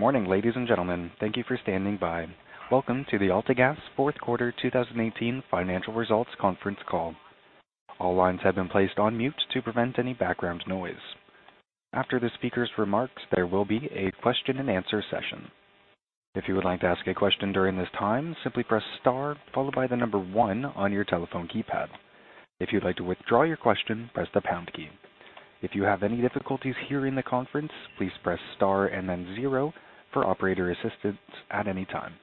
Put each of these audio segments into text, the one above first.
Good morning, ladies and gentlemen. Thank you for standing by. Welcome to the AltaGas Fourth Quarter 2018 Financial Results Conference Call. All lines have been placed on mute to prevent any background noise. After the speaker's remarks, there will be a question and answer session. If you would like to ask a question during this time, simply press star followed by the number one on your telephone keypad. If you would like to withdraw your question, press the pound key. If you have any difficulties hearing the conference, please press star and then zero for operator assistance at any time.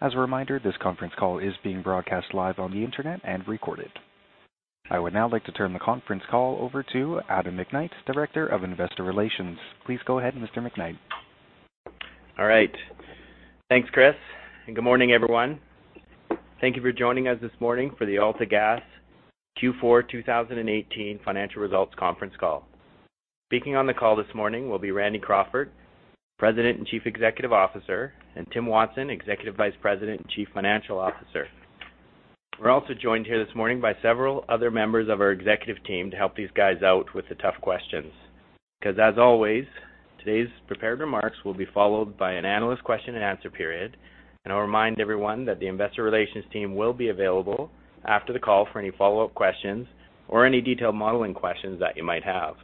As a reminder, this conference call is being broadcast live on the internet and recorded. I would now like to turn the conference call over to Adam McKnight, Director of Investor Relations. Please go ahead, Mr. McKnight. All right. Thanks, Chris. Good morning, everyone. Thank you for joining us this morning for the AltaGas Q4 2018 Financial Results Conference Call. Speaking on the call this morning will be Randy Crawford, President and Chief Executive Officer, and Tim Watson, Executive Vice President and Chief Financial Officer. We are also joined here this morning by several other members of our executive team to help these guys out with the tough questions. As always, today's prepared remarks will be followed by an analyst question and answer period. I will remind everyone that the investor relations team will be available after the call for any follow-up questions or any detailed modeling questions that you might have.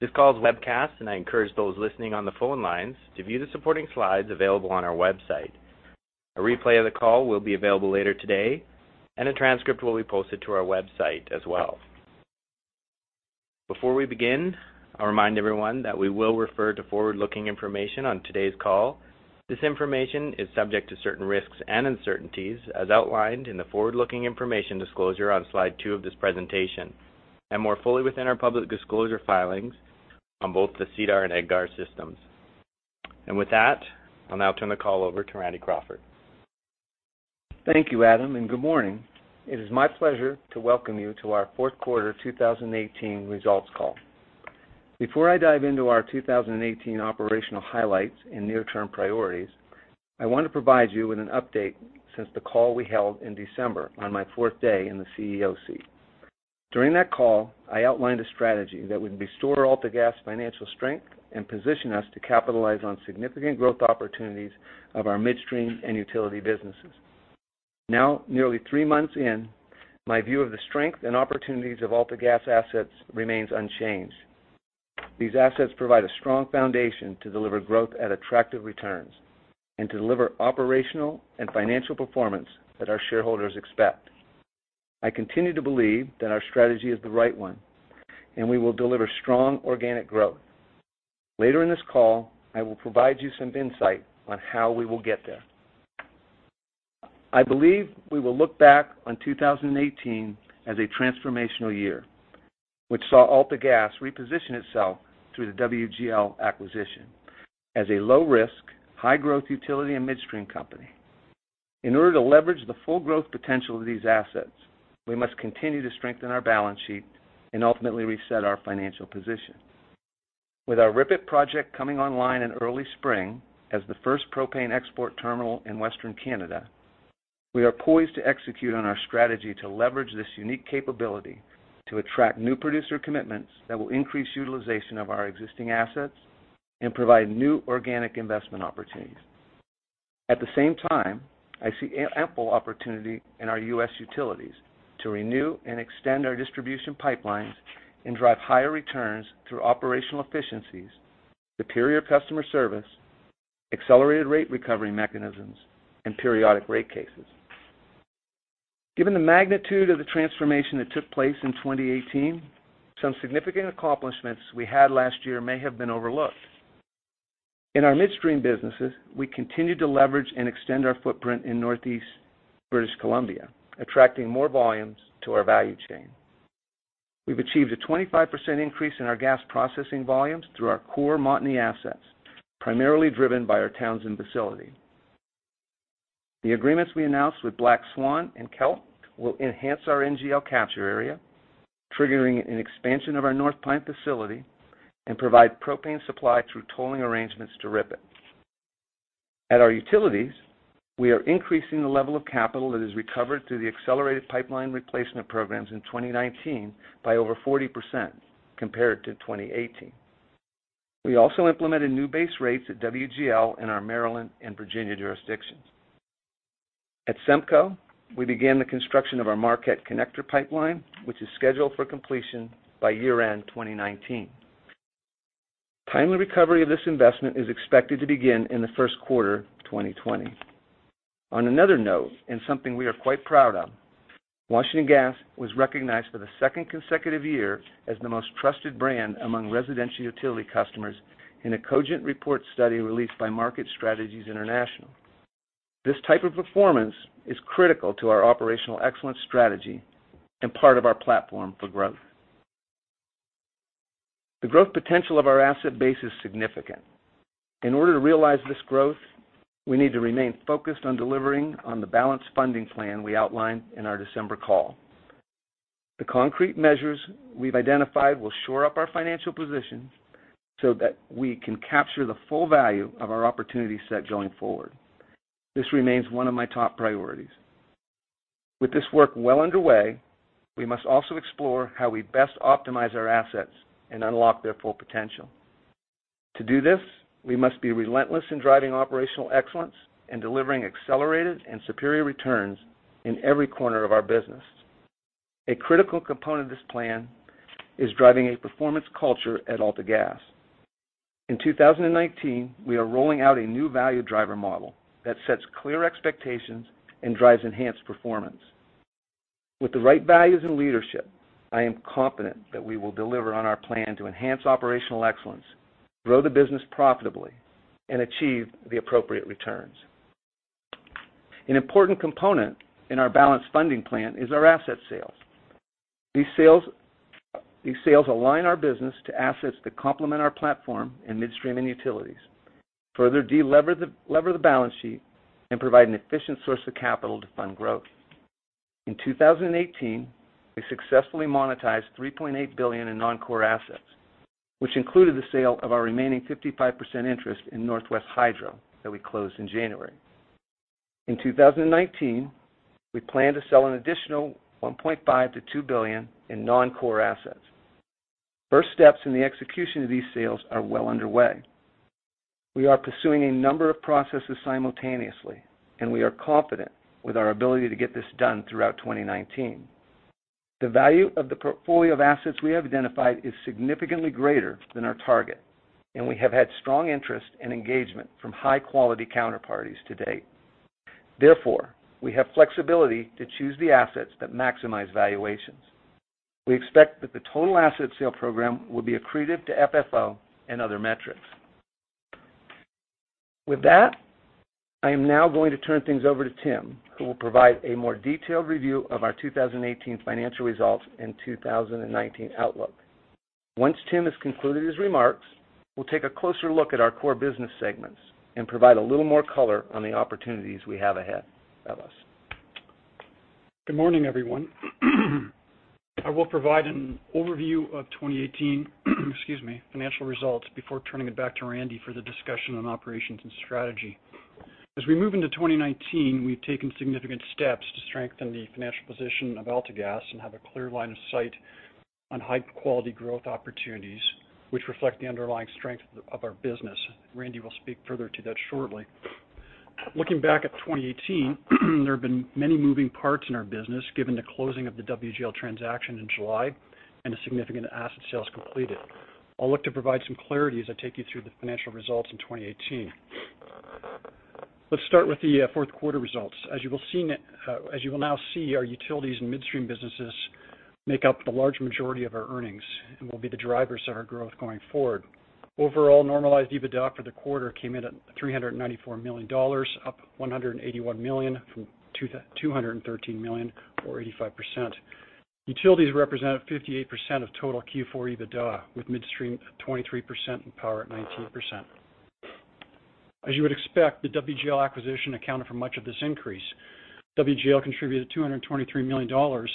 This call is webcast. I encourage those listening on the phone lines to view the supporting slides available on our website. A replay of the call will be available later today. A transcript will be posted to our website as well. Before we begin, I will remind everyone that we will refer to forward-looking information on today's call. This information is subject to certain risks and uncertainties as outlined in the forward-looking information disclosure on slide two of this presentation, more fully within our public disclosure filings on both the SEDAR and EDGAR systems. With that, I will now turn the call over to Randy Crawford. Thank you, Adam. Good morning. It is my pleasure to welcome you to our fourth quarter 2018 results call. Before I dive into our 2018 operational highlights and near-term priorities, I want to provide you with an update since the call we held in December on my fourth day in the CEO seat. During that call, I outlined a strategy that would restore AltaGas financial strength and position us to capitalize on significant growth opportunities of our midstream and utility businesses. Now, nearly three months in, my view of the strength and opportunities of AltaGas assets remains unchanged. These assets provide a strong foundation to deliver growth at attractive returns and deliver operational and financial performance that our shareholders expect. I continue to believe that our strategy is the right one, and we will deliver strong organic growth. Later in this call, I will provide you some insight on how we will get there. I believe we will look back on 2018 as a transformational year, which saw AltaGas reposition itself through the WGL acquisition as a low-risk, high-growth utility and midstream company. In order to leverage the full growth potential of these assets, we must continue to strengthen our balance sheet and ultimately reset our financial position. With our RIPET project coming online in early spring as the first propane export terminal in Western Canada, we are poised to execute on our strategy to leverage this unique capability to attract new producer commitments that will increase utilization of our existing assets and provide new organic investment opportunities. At the same time, I see ample opportunity in our U.S. utilities to renew and extend our distribution pipelines and drive higher returns through operational efficiencies, superior customer service, accelerated rate recovery mechanisms, and periodic rate cases. Given the magnitude of the transformation that took place in 2018, some significant accomplishments we had last year may have been overlooked. In our midstream businesses, we continued to leverage and extend our footprint in Northeast British Columbia, attracting more volumes to our value chain. We've achieved a 25% increase in our gas processing volumes through our core Montney assets, primarily driven by our Townsend facility. The agreements we announced with Black Swan and Kelt will enhance our NGL capture area, triggering an expansion of our North Pine facility and provide propane supply through tolling arrangements to RIPET. At our utilities, we are increasing the level of capital that is recovered through the accelerated pipeline replacement programs in 2019 by over 40% compared to 2018. We also implemented new base rates at WGL in our Maryland and Virginia jurisdictions. At SEMCO, we began the construction of our Marquette Connector Pipeline, which is scheduled for completion by year-end 2019. Timely recovery of this investment is expected to begin in the first quarter 2020. On another note, something we are quite proud of, Washington Gas was recognized for the second consecutive year as the most trusted brand among residential utility customers in a Cogent Reports study released by Market Strategies International. This type of performance is critical to our operational excellence strategy and part of our platform for growth. The growth potential of our asset base is significant. In order to realize this growth, we need to remain focused on delivering on the balanced funding plan we outlined in our December call. The concrete measures we've identified will shore up our financial position so that we can capture the full value of our opportunity set going forward. This remains one of my top priorities. With this work well underway, we must also explore how we best optimize our assets and unlock their full potential. To do this, we must be relentless in driving operational excellence and delivering accelerated and superior returns in every corner of our business. A critical component of this plan is driving a performance culture at AltaGas. In 2019, we are rolling out a new value driver model that sets clear expectations and drives enhanced performance. With the right values and leadership, I am confident that we will deliver on our plan to enhance operational excellence, grow the business profitably, and achieve the appropriate returns. An important component in our balanced funding plan is our asset sales. These sales align our business to assets that complement our platform in midstream and utilities, further delever the balance sheet, and provide an efficient source of capital to fund growth. In 2018, we successfully monetized 3.8 billion in non-core assets, which included the sale of our remaining 55% interest in Northwest Hydro that we closed in January. In 2019, we plan to sell an additional 1.5 billion-2 billion in non-core assets. First steps in the execution of these sales are well underway. We are pursuing a number of processes simultaneously, and we are confident with our ability to get this done throughout 2019. The value of the portfolio of assets we have identified is significantly greater than our target. We have had strong interest and engagement from high-quality counterparties to date. Therefore, we have flexibility to choose the assets that maximize valuations. We expect that the total asset sale program will be accretive to FFO and other metrics. With that, I am now going to turn things over to Tim, who will provide a more detailed review of our 2018 financial results and 2019 outlook. Once Tim has concluded his remarks, we'll take a closer look at our core business segments and provide a little more color on the opportunities we have ahead of us. Good morning, everyone. I will provide an overview of 2018 financial results before turning it back to Randy for the discussion on operations and strategy. As we move into 2019, we've taken significant steps to strengthen the financial position of AltaGas and have a clear line of sight on high-quality growth opportunities, which reflect the underlying strength of our business. Randy will speak further to that shortly. Looking back at 2018, there have been many moving parts in our business given the closing of the WGL transaction in July and the significant asset sales completed. I'll look to provide some clarity as I take you through the financial results in 2018. Let's start with the fourth quarter results. As you will now see, our utilities and midstream businesses make up the large majority of our earnings and will be the drivers of our growth going forward. Overall, normalized EBITDA for the quarter came in at 394 million dollars, up 181 million from 213 million or 85%. Utilities represented 58% of total Q4 EBITDA, with midstream at 23% and power at 19%. As you would expect, the WGL acquisition accounted for much of this increase. WGL contributed 223 million dollars,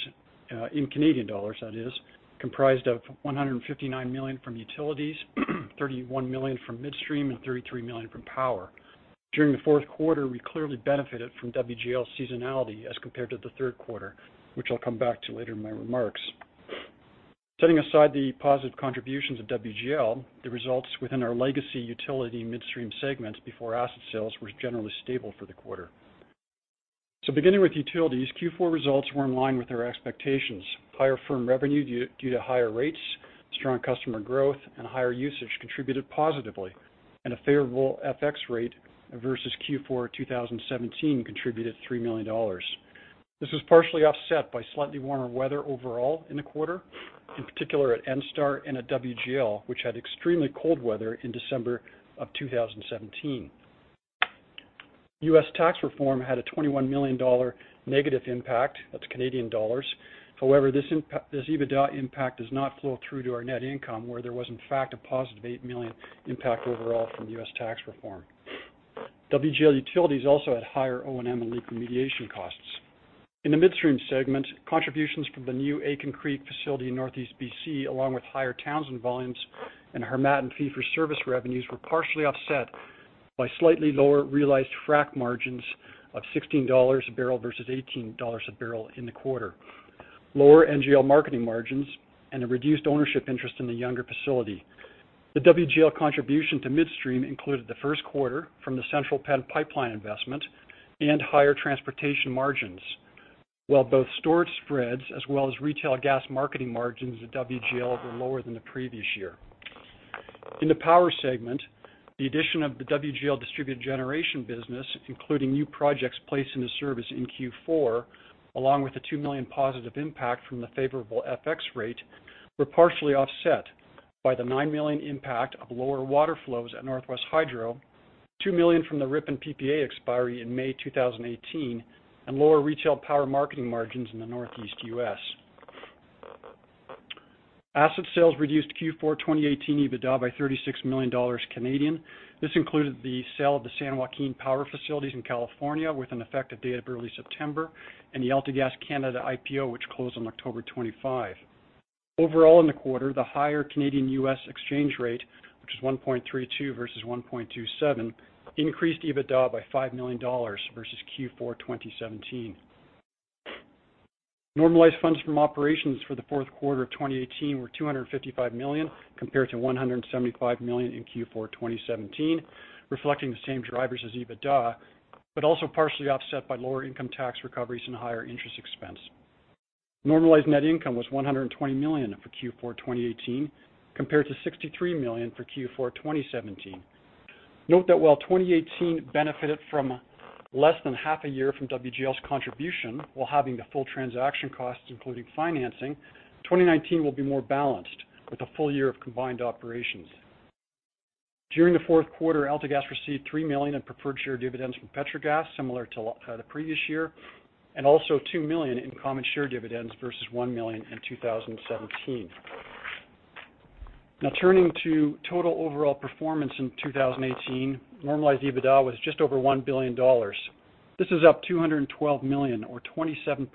comprised of 159 million from utilities, 31 million from midstream, and 33 million from power. During the fourth quarter, we clearly benefited from WGL's seasonality as compared to the third quarter, which I'll come back to later in my remarks. Setting aside the positive contributions of WGL, the results within our legacy utility midstream segments before asset sales were generally stable for the quarter. Beginning with utilities, Q4 results were in line with our expectations. Higher firm revenue due to higher rates, strong customer growth, and higher usage contributed positively. A favorable FX rate versus Q4 2017 contributed 3 million dollars. This was partially offset by slightly warmer weather overall in the quarter, in particular at NSTAR and at WGL, which had extremely cold weather in December of 2017. U.S. tax reform had a 21 million dollar negative impact. This EBITDA impact does not flow through to our net income, where there was, in fact, a positive 8 million impact overall from U.S. tax reform. WGL Utilities also had higher O&M and leak remediation costs. In the midstream segment, contributions from the new Aitken Creek facility in Northeast B.C., along with higher Townsend volumes and Harmattan fee-for-service revenues were partially offset by slightly lower realized frack margins of 16 dollars a barrel versus 18 dollars a barrel in the quarter. Lower NGL marketing margins and a reduced ownership interest in the Younger Extraction Plant. The WGL contribution to midstream included the first quarter from the Central Penn Pipeline investment and higher transportation margins, while both storage spreads as well as retail gas marketing margins at WGL were lower than the previous year. In the power segment, the addition of the WGL distributed generation business, including new projects placed into service in Q4, along with a 2 million positive impact from the favorable FX rate, were partially offset by the 9 million impact of lower water flows at Northwest Hydro, 2 million from the Ripon PPA expiry in May 2018, and lower retail power marketing margins in the Northeast U.S. Asset sales reduced Q4 2018 EBITDA by 36 million Canadian dollars. This included the sale of the San Joaquin Power facilities in California with an effective date of early September, and the AltaGas Canada IPO, which closed on October 25. Overall in the quarter, the higher Canadian/U.S. exchange rate, which is 1.32 versus 1.27, increased EBITDA by 5 million dollars versus Q4 2017. Normalized funds from operations for the fourth quarter of 2018 were 255 million, compared to 175 million in Q4 2017, reflecting the same drivers as EBITDA, but also partially offset by lower income tax recoveries and higher interest expense. Normalized net income was 120 million for Q4 2018, compared to 63 million for Q4 2017. Note that while 2018 benefited from less than half a year from WGL's contribution, while having the full transaction costs, including financing, 2019 will be more balanced with a full year of combined operations. During the fourth quarter, AltaGas received 3 million in preferred share dividends from Petrogas, similar to the previous year, and also 2 million in common share dividends versus 1 million in 2017. Turning to total overall performance in 2018, normalized EBITDA was just over 1 billion dollars. This is up 212 million or 27%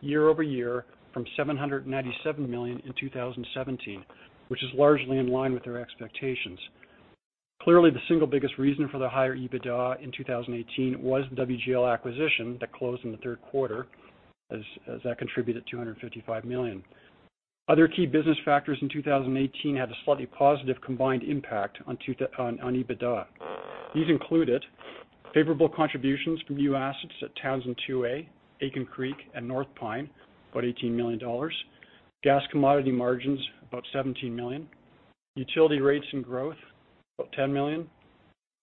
year-over-year from 797 million in 2017, which is largely in line with their expectations. Clearly, the single biggest reason for the higher EBITDA in 2018 was the WGL acquisition that closed in the third quarter, as that contributed 255 million. Other key business factors in 2018 had a slightly positive combined impact on EBITDA. These included favorable contributions from U.S. assets at Townsend 2A, Aitken Creek, and North Pine, about 18 million dollars. Gas commodity margins, about 17 million. Utility rates and growth, about 10 million.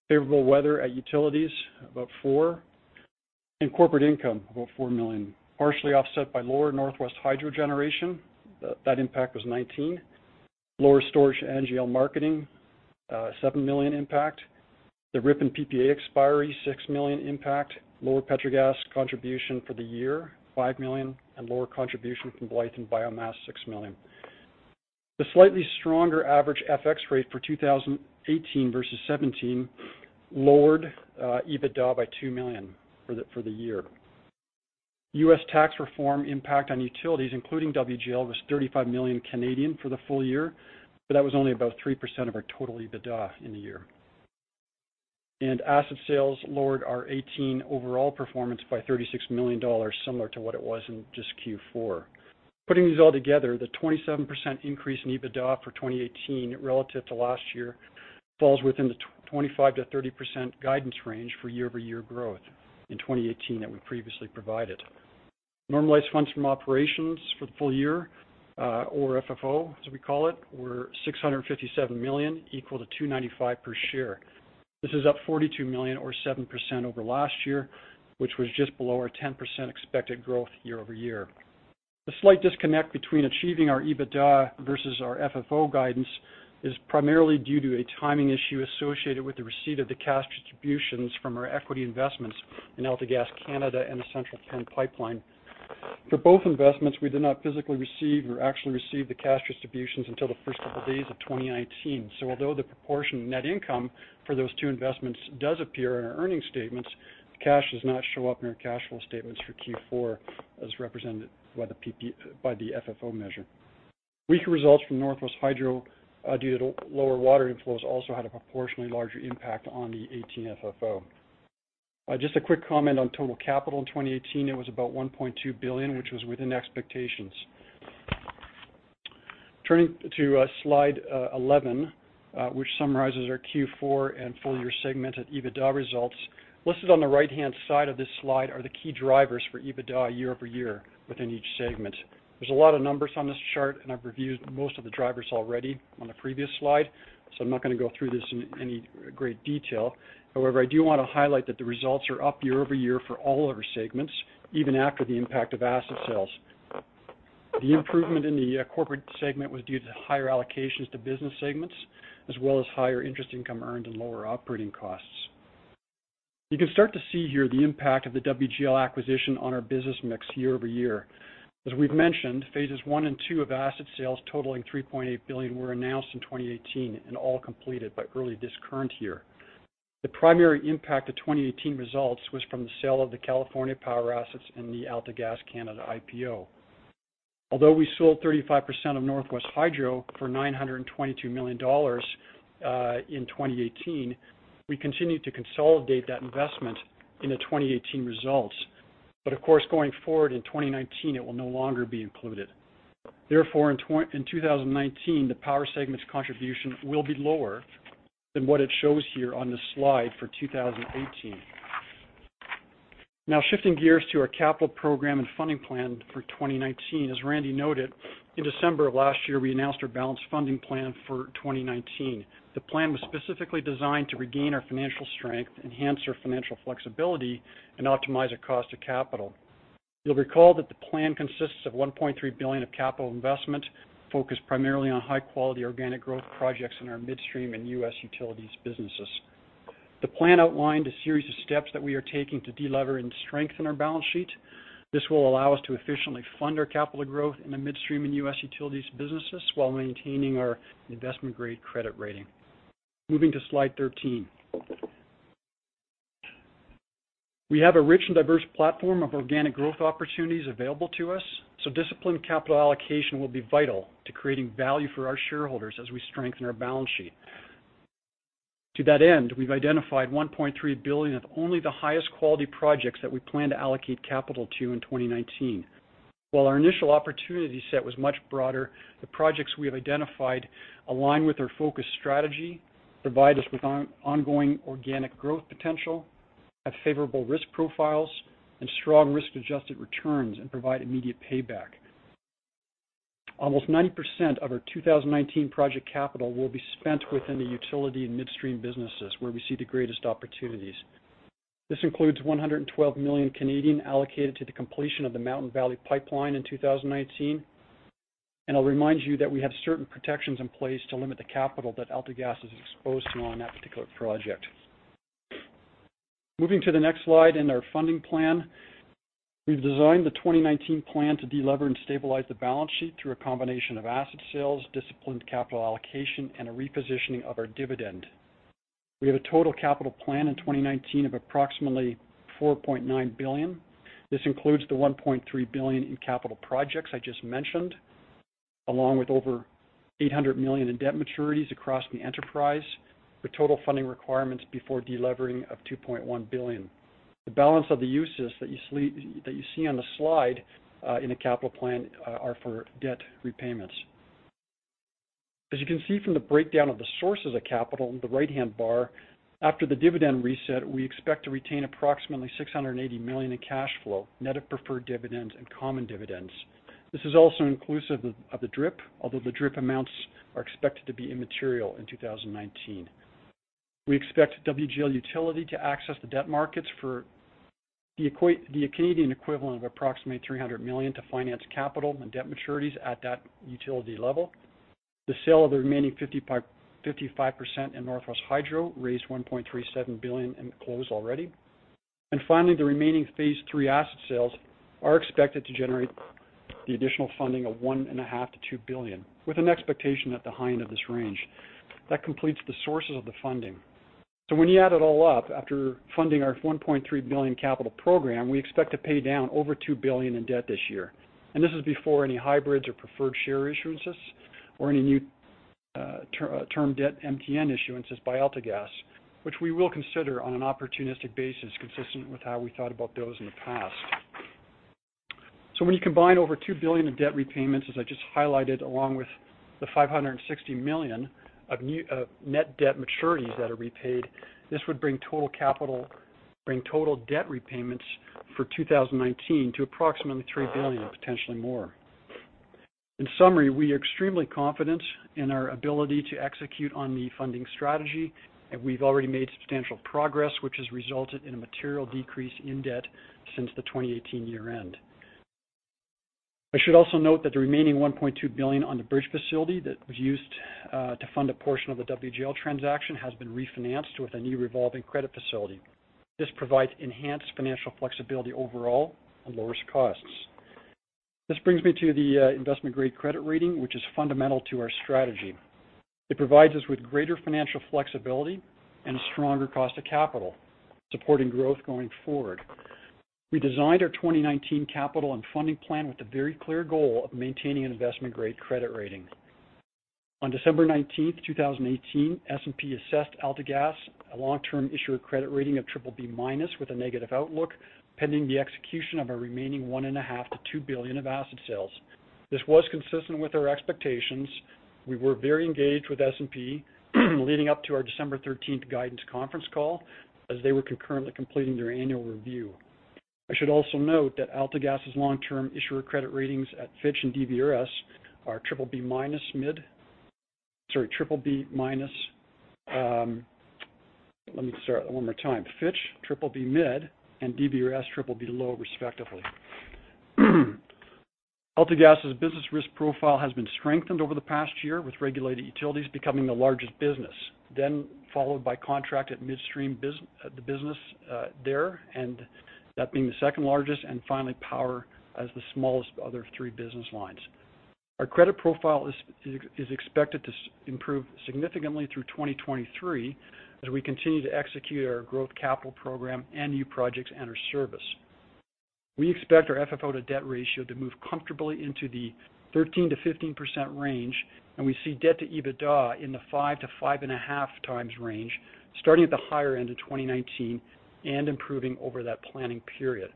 Favorable weather at utilities, about 4 million. Corporate income, about 4 million. Partially offset by lower Northwest Hydro generation. That impact was 19 million. Lower storage NGL marketing, a 7 million impact. The Ripon PPA expiry, 6 million impact. Lower Petrogas contribution for the year, 5 million, and lower contribution from Blythe and biomass, 6 million. The slightly stronger average FX rate for 2018 versus 2017 lowered EBITDA by 2 million for the year. U.S. tax reform impact on utilities, including WGL, was 35 million for the full year. That was only about 3% of our total EBITDA in the year. Asset sales lowered our 2018 overall performance by 36 million dollars, similar to what it was in just Q4. Putting these all together, the 27% increase in EBITDA for 2018 relative to last year falls within the 25%-30% guidance range for year-over-year growth in 2018 that we previously provided. Normalized funds from operations for the full year, or FFO, as we call it, were 657 million, equal to 2.95 per share. This is up 42 million or 7% over last year, which was just below our 10% expected growth year-over-year. The slight disconnect between achieving our EBITDA versus our FFO guidance is primarily due to a timing issue associated with the receipt of the cash distributions from our equity investments in AltaGas Canada and the Central Penn Pipeline. For both investments, we did not physically receive or actually receive the cash distributions until the first couple days of 2019. Although the proportion of net income for those two investments does appear in our earnings statements, the cash does not show up in our cash flow statements for Q4 as represented by the FFO measure. Weaker results from Northwest Hydro due to lower water inflows also had a proportionally larger impact on the 2018 FFO. Just a quick comment on total capital. In 2018, it was about 1.2 billion, which was within expectations. Turning to slide 11, which summarizes our Q4 and full-year segmented EBITDA results. Listed on the right-hand side of this slide are the key drivers for EBITDA year-over-year within each segment. There is a lot of numbers on this chart, and I have reviewed most of the drivers already on the previous slide, so I am not going to go through this in any great detail. However, I do want to highlight that the results are up year-over-year for all other segments, even after the impact of asset sales. The improvement in the corporate segment was due to higher allocations to business segments, as well as higher interest income earned and lower operating costs. You can start to see here the impact of the WGL acquisition on our business mix year-over-year. As we have mentioned, phases 1 and 2 of asset sales totaling 3.8 billion were announced in 2018 and all completed by early this current year. The primary impact of 2018 results was from the sale of the California Power assets and the AltaGas Canada IPO. Although we sold 35% of Northwest Hydro for 922 million dollars in 2018, we continued to consolidate that investment in the 2018 results. Of course, going forward in 2019, it will no longer be included. Therefore, in 2019, the power segment's contribution will be lower than what it shows here on the slide for 2018. Now shifting gears to our capital program and funding plan for 2019. As Randy noted, in December of last year, we announced our balanced funding plan for 2019. The plan was specifically designed to regain our financial strength, enhance our financial flexibility, and optimize our cost of capital. You will recall that the plan consists of 1.3 billion of capital investment focused primarily on high-quality organic growth projects in our midstream and U.S. utilities businesses. The plan outlined a series of steps that we are taking to de-lever and strengthen our balance sheet. This will allow us to efficiently fund our capital growth in the midstream and U.S. utilities businesses while maintaining our investment-grade credit rating. Moving to slide 13. We have a rich and diverse platform of organic growth opportunities available to us, disciplined capital allocation will be vital to creating value for our shareholders as we strengthen our balance sheet. To that end, we have identified 1.3 billion of only the highest quality projects that we plan to allocate capital to in 2019. While our initial opportunity set was much broader, the projects we have identified align with our focus strategy, provide us with ongoing organic growth potential, have favorable risk profiles, and strong risk-adjusted returns, and provide immediate payback. Almost 90% of our 2019 project capital will be spent within the utility and midstream businesses, where we see the greatest opportunities. This includes 112 million allocated to the completion of the Mountain Valley Pipeline in 2019. I will remind you that we have certain protections in place to limit the capital that AltaGas is exposed to on that particular project. Moving to the next slide in our funding plan. We have designed the 2019 plan to de-lever and stabilize the balance sheet through a combination of asset sales, disciplined capital allocation, and a repositioning of our dividend. We have a total capital plan in 2019 of approximately 4.9 billion. This includes the 1.3 billion in capital projects I just mentioned, along with over 800 million in debt maturities across the enterprise, with total funding requirements before de-levering of 2.1 billion. The balance of the uses that you see on the slide in the capital plan are for debt repayments. As you can see from the breakdown of the sources of capital in the right-hand bar, after the dividend reset, we expect to retain approximately 680 million in cash flow, net of preferred dividends and common dividends. This is also inclusive of the DRIP, although the DRIP amounts are expected to be immaterial in 2019. We expect WGL Utility to access the debt markets for the Canadian equivalent of approximately 300 million to finance capital and debt maturities at that utility level. The sale of the remaining 55% in Northwest Hydro raised 1.37 billion and closed already. Finally, the remaining phase 3 asset sales are expected to generate the additional funding of one and a half billion to two billion, with an expectation at the high end of this range. That completes the sources of the funding. When you add it all up, after funding our 1.3 billion capital program, we expect to pay down over 2 billion in debt this year. This is before any hybrids or preferred share issuances or any new term debt MTN issuances by AltaGas, which we will consider on an opportunistic basis consistent with how we thought about those in the past. When you combine over 2 billion of debt repayments, as I just highlighted, along with the 560 million of net debt maturities that are repaid, this would bring total debt repayments for 2019 to approximately 3 billion, potentially more. In summary, we are extremely confident in our ability to execute on the funding strategy, we've already made substantial progress, which has resulted in a material decrease in debt since the 2018 year-end. I should also note that the remaining 1.2 billion on the bridge facility that was used to fund a portion of the WGL transaction has been refinanced with a new revolving credit facility. This provides enhanced financial flexibility overall and lowers costs. This brings me to the investment-grade credit rating, which is fundamental to our strategy. It provides us with greater financial flexibility and a stronger cost of capital, supporting growth going forward. We designed our 2019 capital and funding plan with the very clear goal of maintaining an investment-grade credit rating. On December 19th, 2018, S&P assessed AltaGas a long-term issuer credit rating of BBB- with a negative outlook, pending the execution of a remaining 1.5 billion-2 billion of asset sales. This was consistent with our expectations. We were very engaged with S&P leading up to our December 13th guidance conference call as they were concurrently completing their annual review. I should also note that AltaGas's long-term issuer credit ratings at Fitch are BBB+ mid and DBRS BBB low respectively. AltaGas's business risk profile has been strengthened over the past year, with regulated utilities becoming the largest business, then followed by contracted midstream, the business there, and that being the second largest, and finally, power as the smallest of the three business lines. Our credit profile is expected to improve significantly through 2023 as we continue to execute our growth capital program and new projects enter service. We expect our FFO-to-debt ratio to move comfortably into the 13%-15% range, and we see debt to EBITDA in the 5x-5.5x range, starting at the higher end of 2019 and improving over that planning period.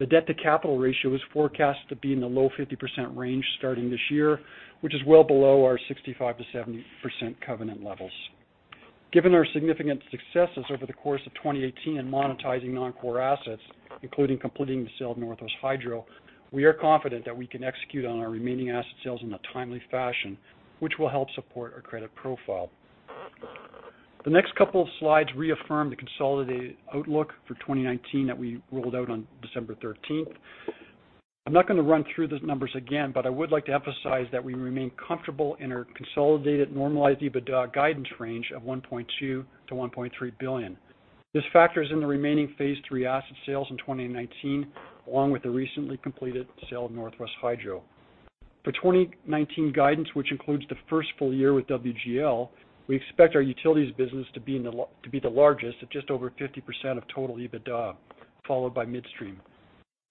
The debt-to-capital ratio is forecast to be in the low 50% range starting this year, which is well below our 65%-70% covenant levels. Given our significant successes over the course of 2018 in monetizing non-core assets, including completing the sale of Northwest Hydro, we are confident that we can execute on our remaining asset sales in a timely fashion, which will help support our credit profile. The next couple of slides reaffirm the consolidated outlook for 2019 that we rolled out on December 13th. I'm not going to run through the numbers again, but I would like to emphasize that we remain comfortable in our consolidated normalized EBITDA guidance range of 1.2 billion-1.3 billion. This factors in the remaining phase 3 asset sales in 2019, along with the recently completed sale of Northwest Hydro. For 2019 guidance, which includes the first full year with WGL, we expect our utilities business to be the largest at just over 50% of total EBITDA, followed by midstream.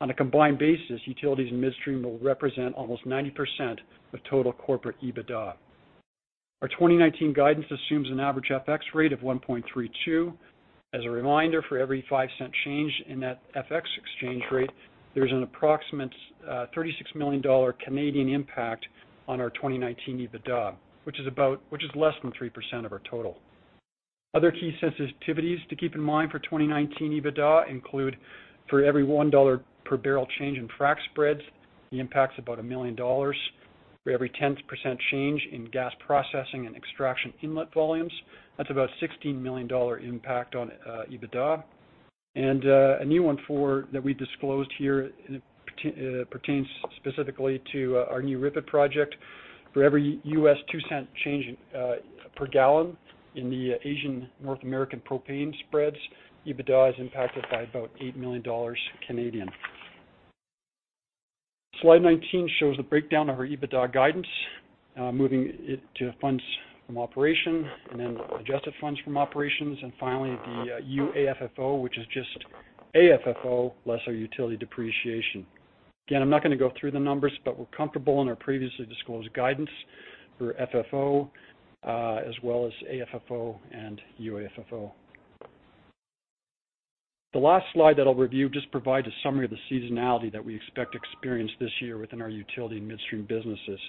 On a combined basis, utilities and midstream will represent almost 90% of total corporate EBITDA. Our 2019 guidance assumes an average FX rate of 1.32. As a reminder, for every 0.05 change in that FX exchange rate, there's an approximate 36 million Canadian dollars impact on our 2019 EBITDA. Which is less than 3% of our total. Other key sensitivities to keep in mind for 2019 EBITDA include for every 1 dollar per barrel change in frac spreads, the impact's about 1 million dollars. For every 10% change in gas processing and extraction inlet volumes, that's about a 16 million dollar impact on EBITDA. A new one that we disclosed here, and it pertains specifically to our new RIPET project. For every US $0.02 change per gallon in the Asian North American propane spreads, EBITDA is impacted by about 8 million Canadian dollars. Slide 19 shows the breakdown of our EBITDA guidance, moving it to funds from operations, and then adjusted funds from operations, and finally, the UAFFO, which is just AFFO less our utility depreciation. Again, I'm not going to go through the numbers, but we're comfortable in our previously disclosed guidance for FFO, as well as AFFO and UAFFO. The last slide that I'll review just provides a summary of the seasonality that we expect to experience this year within our utility and midstream businesses.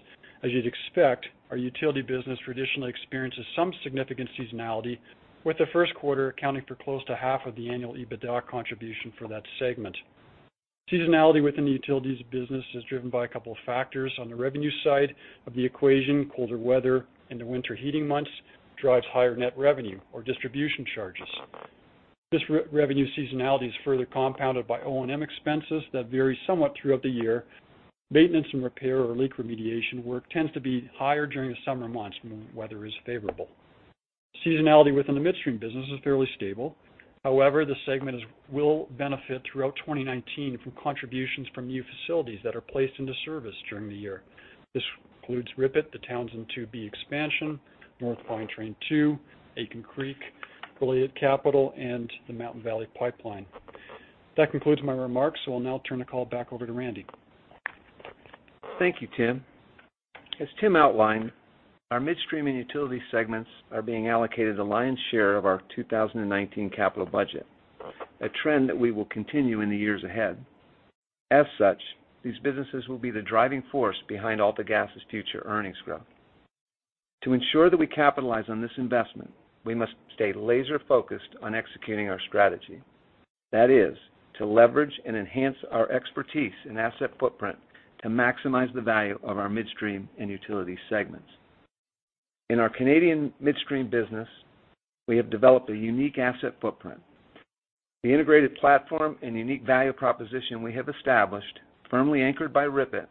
As you'd expect, our utility business traditionally experiences some significant seasonality, with the first quarter accounting for close to half of the annual EBITDA contribution for that segment. Seasonality within the utilities business is driven by a couple of factors. On the revenue side of the equation, colder weather in the winter heating months drives higher net revenue or distribution charges. This revenue seasonality is further compounded by O&M expenses that vary somewhat throughout the year. Maintenance and repair or leak remediation work tends to be higher during the summer months when weather is favorable. Seasonality within the midstream business is fairly stable. However, the segment will benefit throughout 2019 from contributions from new facilities that are placed into service during the year. This includes RIPET, the Townsend 2B expansion, North Pine Train 2, Aitken Creek, affiliate capital, and the Mountain Valley Pipeline. That concludes my remarks. I'll now turn the call back over to Randy. Thank you, Tim. As Tim outlined, our midstream and utility segments are being allocated the lion's share of our 2019 capital budget, a trend that we will continue in the years ahead. As such, these businesses will be the driving force behind AltaGas's future earnings growth. To ensure that we capitalize on this investment, we must stay laser-focused on executing our strategy. That is, to leverage and enhance our expertise and asset footprint to maximize the value of our midstream and utility segments. In our Canadian midstream business, we have developed a unique asset footprint. The integrated platform and unique value proposition we have established, firmly anchored by RIPET,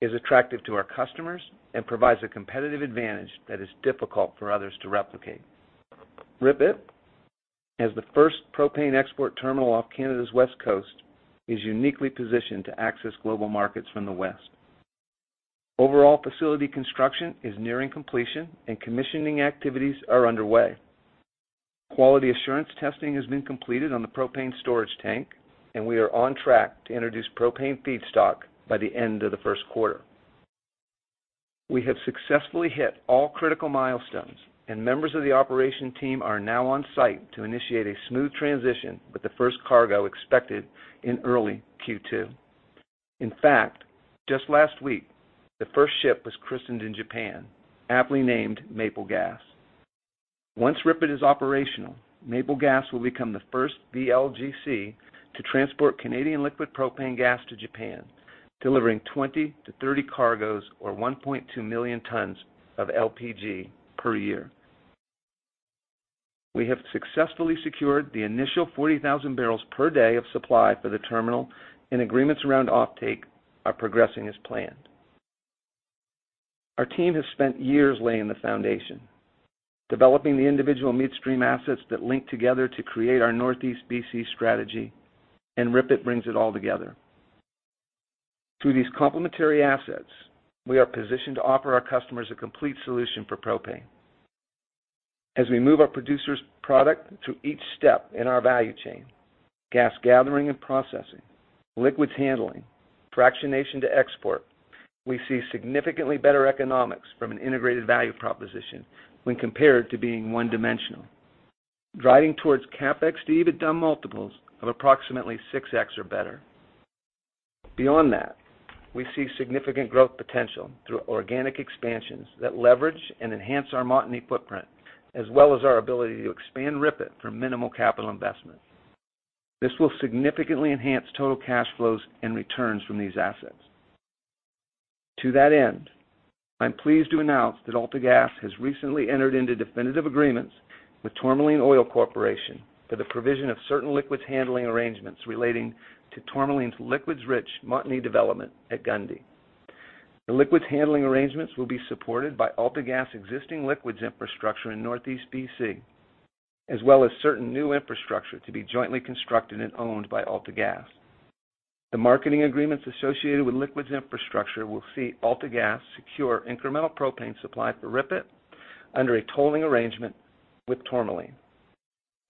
is attractive to our customers and provides a competitive advantage that is difficult for others to replicate. RIPET, as the first propane export terminal off Canada's west coast, is uniquely positioned to access global markets from the west. Overall facility construction is nearing completion. Commissioning activities are underway. Quality assurance testing has been completed on the propane storage tank, and we are on track to introduce propane feedstock by the end of the first quarter. We have successfully hit all critical milestones. Members of the operation team are now on site to initiate a smooth transition with the first cargo expected in early Q2. In fact, just last week, the first ship was christened in Japan, aptly named Maple Gas. Once RIPET is operational, Maple Gas will become the first VLGC to transport Canadian liquid propane gas to Japan, delivering 20-30 cargoes or 1.2 million tons of LPG per year. We have successfully secured the initial 40,000 barrels per day of supply for the terminal. Agreements around offtake are progressing as planned. Our team has spent years laying the foundation, developing the individual midstream assets that link together to create our Northeast B.C. strategy. RIPET brings it all together. Through these complementary assets, we are positioned to offer our customers a complete solution for propane. As we move our producer's product through each step in our value chain, gas gathering and processing, liquids handling, fractionation to export, we see significantly better economics from an integrated value proposition when compared to being one-dimensional, driving towards CapEx to EBITDA multiples of approximately 6x or better. Beyond that, we see significant growth potential through organic expansions that leverage and enhance our Montney footprint, as well as our ability to expand RIPET for minimal capital investment. This will significantly enhance total cash flows and returns from these assets. To that end, I'm pleased to announce that AltaGas has recently entered into definitive agreements with Tourmaline Oil Corporation for the provision of certain liquids handling arrangements relating to Tourmaline's liquids-rich Montney development at Gundy. The liquids handling arrangements will be supported by AltaGas' existing liquids infrastructure in Northeast B.C., as well as certain new infrastructure to be jointly constructed and owned by AltaGas. The marketing agreements associated with liquids infrastructure will see AltaGas secure incremental propane supply for RIPET under a tolling arrangement with Tourmaline.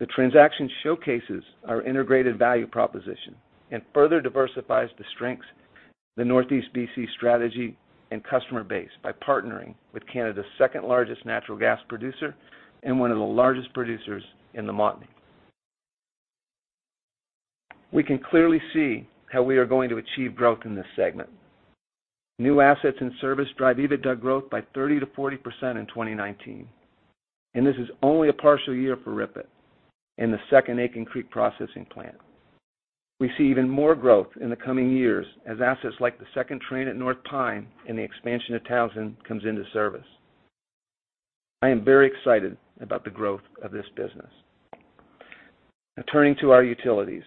The transaction showcases our integrated value proposition and further diversifies the strengths of the Northeast B.C. strategy and customer base by partnering with Canada's second-largest natural gas producer and one of the largest producers in the Montney. We can clearly see how we are going to achieve growth in this segment. New assets and service drive EBITDA growth by 30%-40% in 2019. This is only a partial year for RIPET and the second Aitken Creek processing plant. We see even more growth in the coming years as assets like the second train at North Pine and the expansion of Townsend comes into service. I am very excited about the growth of this business. Turning to our utilities.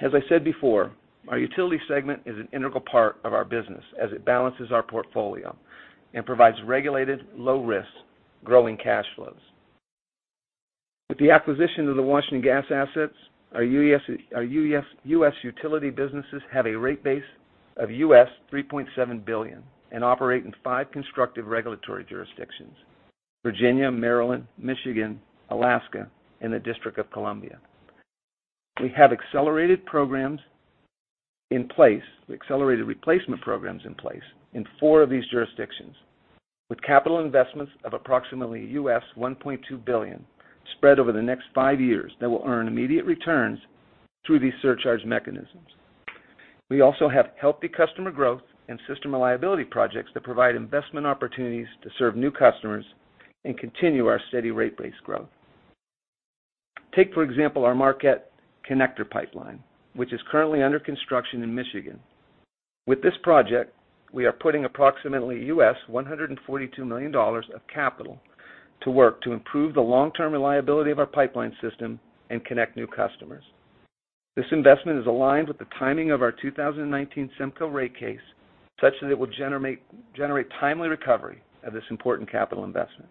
As I said before, our utility segment is an integral part of our business as it balances our portfolio and provides regulated, low-risk, growing cash flows. With the acquisition of the Washington Gas assets, our U.S. utility businesses have a rate base of $3.7 billion and operate in five constructive regulatory jurisdictions: Virginia, Maryland, Michigan, Alaska, and the District of Columbia. We have accelerated replacement programs in place in four of these jurisdictions, with capital investments of approximately $1.2 billion spread over the next five years that will earn immediate returns through these surcharge mechanisms. We have healthy customer growth and system reliability projects that provide investment opportunities to serve new customers and continue our steady rate base growth. Take, for example, our Marquette Connector Pipeline, which is currently under construction in Michigan. With this project, we are putting approximately $142 million of capital to work to improve the long-term reliability of our pipeline system and connect new customers. This investment is aligned with the timing of our 2019 SEMCO rate case, such that it will generate timely recovery of this important capital investment.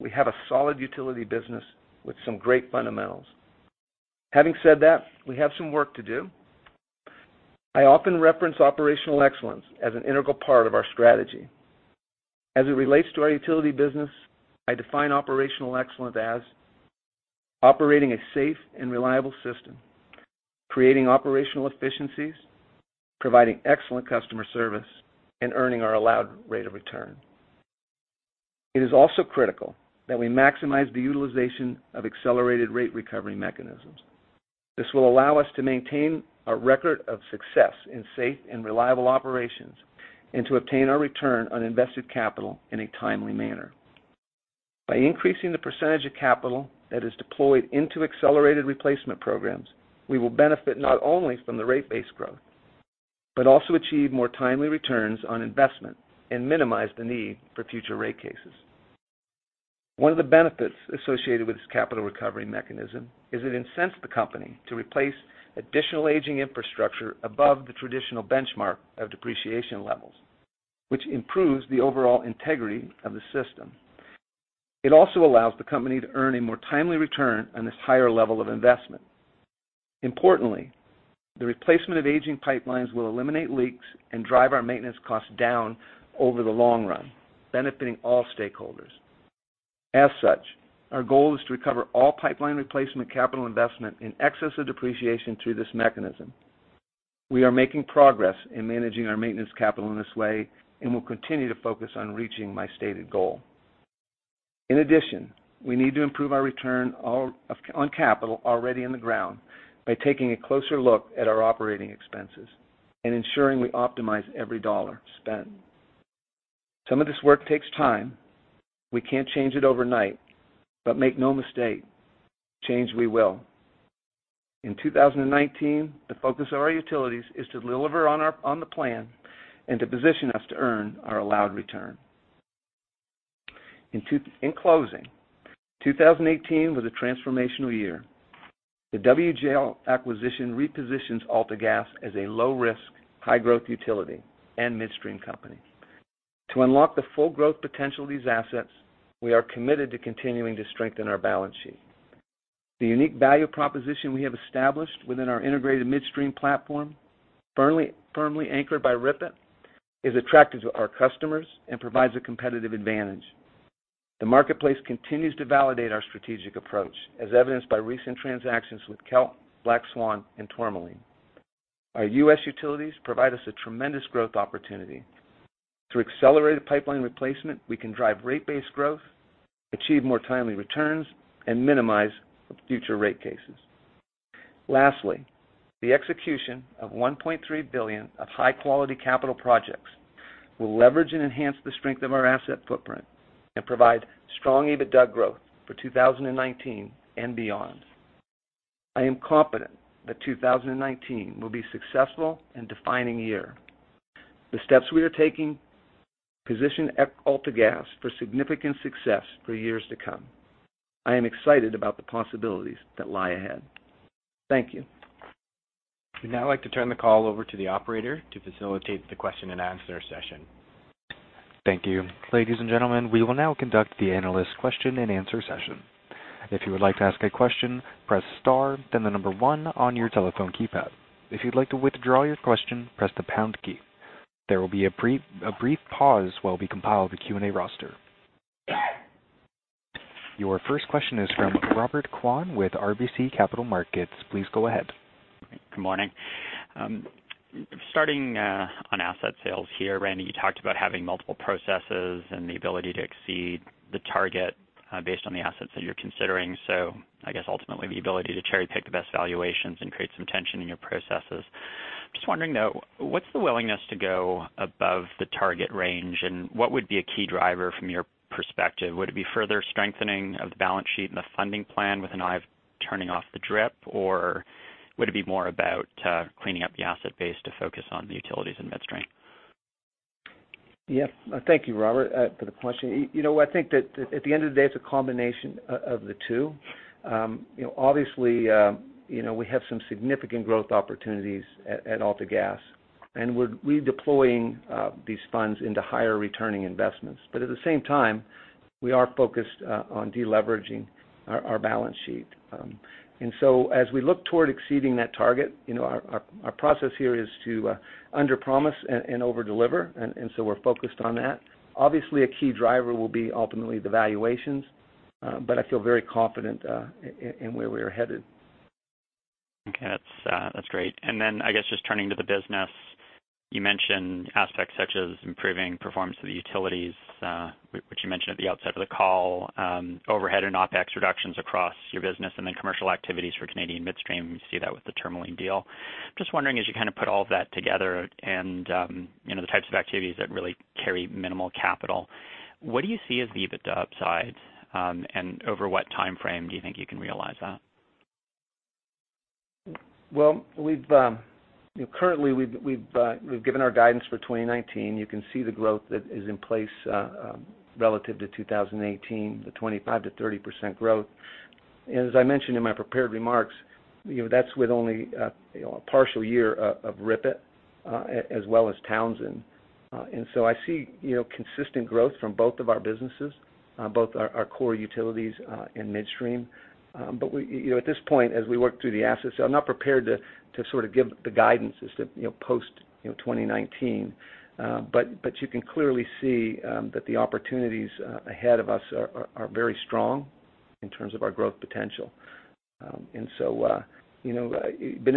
We have a solid utility business with some great fundamentals. Having said that, we have some work to do. I often reference operational excellence as an integral part of our strategy. As it relates to our utility business, I define operational excellence as operating a safe and reliable system, creating operational efficiencies, providing excellent customer service, and earning our allowed rate of return. It is critical that we maximize the utilization of accelerated rate recovery mechanisms. This will allow us to maintain our record of success in safe and reliable operations and to obtain our return on invested capital in a timely manner. By increasing the percentage of capital that is deployed into accelerated replacement programs, we will benefit not only from the rate base growth, but also achieve more timely returns on investment and minimize the need for future rate cases. One of the benefits associated with this capital recovery mechanism is it incents the company to replace additional aging infrastructure above the traditional benchmark of depreciation levels, which improves the overall integrity of the system. It allows the company to earn a more timely return on this higher level of investment. The replacement of aging pipelines will eliminate leaks and drive our maintenance costs down over the long run, benefiting all stakeholders. Our goal is to recover all pipeline replacement capital investment in excess of depreciation through this mechanism. We are making progress in managing our maintenance capital in this way and will continue to focus on reaching my stated goal. We need to improve our return on capital already in the ground by taking a closer look at our operating expenses and ensuring we optimize every dollar spent. Some of this work takes time. We can't change it overnight, but make no mistake, change we will. In 2019, the focus of our utilities is to deliver on the plan and to position us to earn our allowed return. In closing, 2018 was a transformational year. The WGL acquisition repositions AltaGas as a low-risk, high-growth utility and midstream company. To unlock the full growth potential of these assets, we are committed to continuing to strengthen our balance sheet. The unique value proposition we have established within our integrated midstream platform, firmly anchored by RIPET, is attractive to our customers and provides a competitive advantage. The marketplace continues to validate our strategic approach, as evidenced by recent transactions with Kelt, Black Swan, and Tourmaline. Our U.S. utilities provide us a tremendous growth opportunity. Through accelerated pipeline replacement, we can drive rate-based growth, achieve more timely returns, and minimize future rate cases. Lastly, the execution of 1.3 billion of high-quality capital projects will leverage and enhance the strength of our asset footprint and provide strong EBITDA growth for 2019 and beyond. I am confident that 2019 will be successful and defining year. The steps we are taking position AltaGas for significant success for years to come. I am excited about the possibilities that lie ahead. Thank you. We'd now like to turn the call over to the operator to facilitate the question and answer session. Thank you. Ladies and gentlemen, we will now conduct the analyst question and answer session. If you would like to ask a question, press star, then the number 1 on your telephone keypad. If you'd like to withdraw your question, press the pound key. There will be a brief pause while we compile the Q&A roster. Your first question is from Robert Kwan with RBC Capital Markets. Please go ahead. Good morning. Starting on asset sales here, Randy, you talked about having multiple processes and the ability to exceed the target based on the assets that you're considering. I guess ultimately the ability to cherry-pick the best valuations and create some tension in your processes. Just wondering though, what's the willingness to go above the target range, and what would be a key driver from your perspective? Would it be further strengthening of the balance sheet and the funding plan with an eye of turning off the DRIP, or would it be more about cleaning up the asset base to focus on the utilities and midstream? Yeah. Thank you, Robert, for the question. I think that at the end of the day, it's a combination of the two. Obviously, we have some significant growth opportunities at AltaGas, and we're deploying these funds into higher returning investments. At the same time, we are focused on de-leveraging our balance sheet. As we look toward exceeding that target, our process here is to underpromise and overdeliver, we're focused on that. Obviously, a key driver will be ultimately the valuations, but I feel very confident in where we are headed. Okay. That's great. Then, I guess just turning to the business, you mentioned aspects such as improving performance of the utilities, which you mentioned at the outset of the call, overhead and OpEx reductions across your business, and then commercial activities for Canadian midstream. We see that with the Tourmaline deal. Just wondering, as you kind of put all of that together and the types of activities that really carry minimal capital, what do you see as the EBITDA upside? Over what timeframe do you think you can realize that? Well, currently we've given our guidance for 2019. You can see the growth that is in place relative to 2018, the 25%-30% growth. As I mentioned in my prepared remarks, that's with only a partial year of RIPET as well as Townsend. I see consistent growth from both of our businesses, both our core utilities and midstream. At this point, as we work through the assets, I'm not prepared to sort of give the guidance as to post-2019. You can clearly see that the opportunities ahead of us are very strong in terms of our growth potential. Been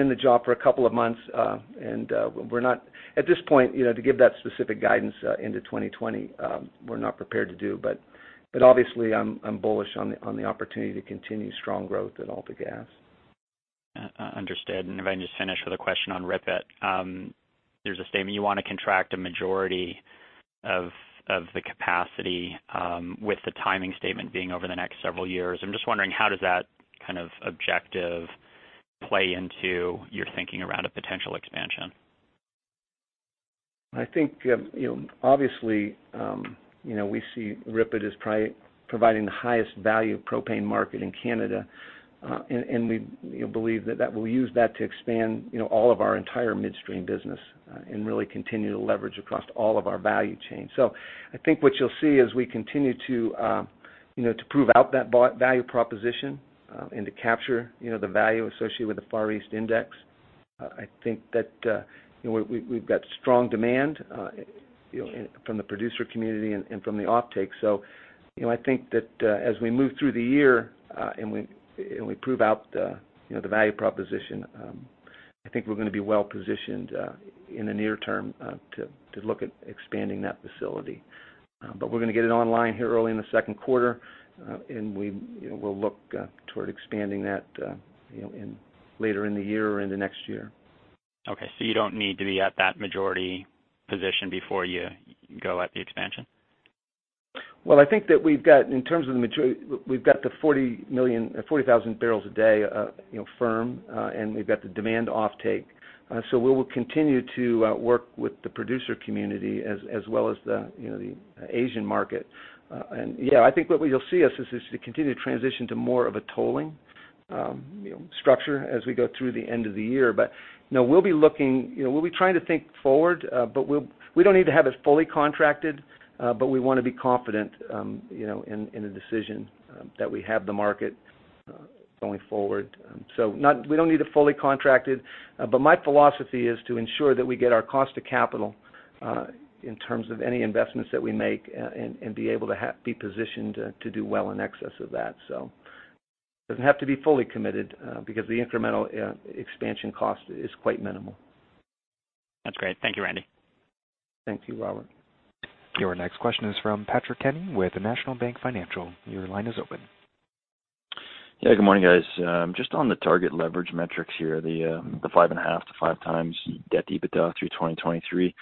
in the job for a couple of months. At this point, to give that specific guidance into 2020, we're not prepared to do, but obviously I'm bullish on the opportunity to continue strong growth at AltaGas. Understood. If I can just finish with a question on RIPET. There is a statement you want to contract a majority of the capacity, with the timing statement being over the next several years. I am just wondering, how does that kind of objective play into your thinking around a potential expansion? I think, obviously, we see RIPET as providing the highest value propane market in Canada. We believe that we will use that to expand all of our entire midstream business and really continue to leverage across all of our value chain. I think what you will see as we continue to prove out that value proposition and to capture the value associated with the Far East index, I think that we have got strong demand from the producer community and from the offtake. I think that as we move through the year, and we prove out the value proposition, I think we are going to be well-positioned in the near term to look at expanding that facility. We are going to get it online here early in the second quarter, and we will look toward expanding that later in the year or into next year. Okay, you don't need to be at that majority position before you go at the expansion? Well, I think that we have got the 40,000 barrels a day firm, and we have got the demand offtake. We will continue to work with the producer community as well as the Asian market. Yeah, I think what you will see us is to continue to transition to more of a tolling structure as we go through the end of the year. We will be trying to think forward. We don't need to have it fully contracted, but we want to be confident in the decision that we have the market going forward. We don't need it fully contracted. My philosophy is to ensure that we get our cost to capital in terms of any investments that we make, and be able to be positioned to do well in excess of that. Doesn't have to be fully committed, because the incremental expansion cost is quite minimal. That's great. Thank you, Randy. Thank you, Robert. Your next question is from Patrick Kenny with National Bank Financial. Your line is open. Yeah. Good morning, guys. Just on the target leverage metrics here, the 5.5 times-5 times debt to EBITDA through 2023.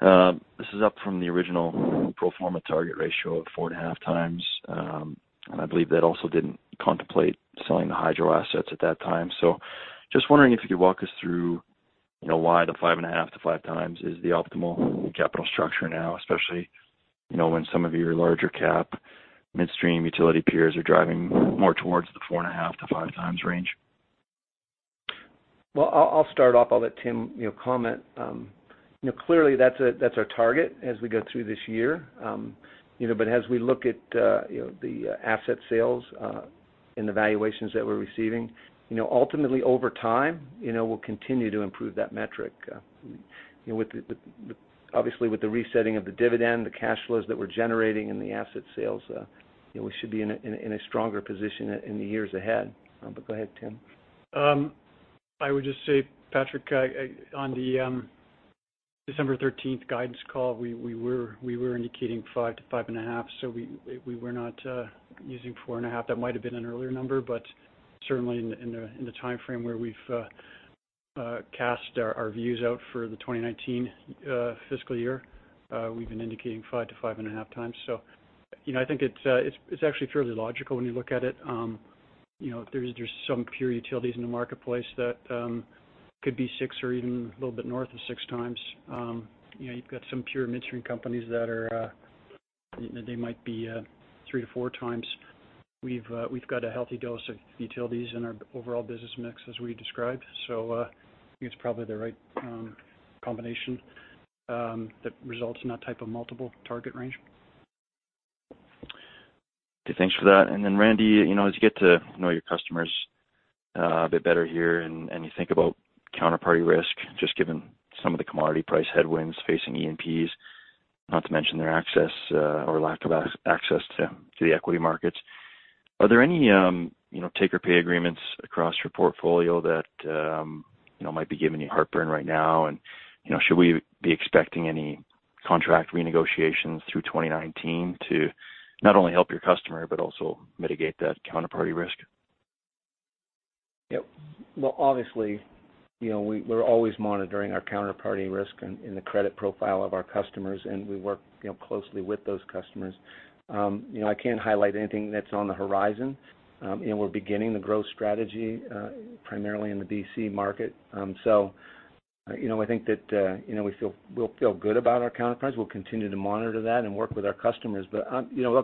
This is up from the original pro forma target ratio of four and a half times. I believe that also didn't contemplate selling the hydro assets at that time. Just wondering if you could walk us through why the five and a half times-5 times is the optimal capital structure now, especially when some of your larger cap midstream utility peers are driving more towards the four and a half times-5 times range. Well, I'll start off. I'll let Tim comment. Clearly, that's our target as we go through this year. As we look at the asset sales and the valuations that we're receiving, ultimately over time, we'll continue to improve that metric. Obviously, with the resetting of the dividend, the cash flows that we're generating, and the asset sales, we should be in a stronger position in the years ahead. Go ahead, Tim. I would just say, Patrick, on the December 13th guidance call, we were indicating 5 to 5.5, so we were not using 4.5. That might have been an earlier number. Certainly in the timeframe where we've cast our views out for the 2019 fiscal year, we've been indicating 5 to 5.5 times. I think it's actually fairly logical when you look at it. There's some pure utilities in the marketplace that could be 6 or even a little bit north of 6 times. You've got some pure midstream companies that might be 3 to 4 times. We've got a healthy dose of utilities in our overall business mix as we described. I think it's probably the right combination that results in that type of multiple target range. Okay, thanks for that. Randy, as you get to know your customers a bit better here, and you think about counterparty risk, just given some of the commodity price headwinds facing E&Ps, not to mention their access, or lack of access to the equity markets. Are there any take-or-pay agreements across your portfolio that might be giving you heartburn right now? Should we be expecting any contract renegotiations through 2019 to not only help your customer, but also mitigate that counterparty risk? Yep. Well, obviously, we're always monitoring our counterparty risk and the credit profile of our customers, and we work closely with those customers. I can't highlight anything that's on the horizon. We're beginning the growth strategy, primarily in the B.C. market. I think that we'll feel good about our counterparties. We'll continue to monitor that and work with our customers. Look,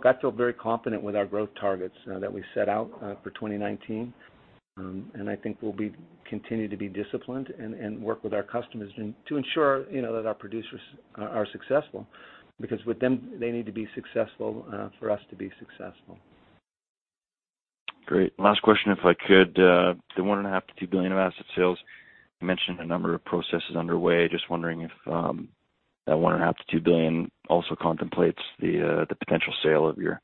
I feel very confident with our growth targets that we set out for 2019. I think we'll continue to be disciplined and work with our customers to ensure that our producers are successful. Because with them, they need to be successful for us to be successful. Great. Last question, if I could. The one and a half to two billion of asset sales, you mentioned a number of processes underway. Just wondering if that one and a half to two billion also contemplates the potential sale of your